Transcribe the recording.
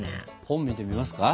本見てみますか？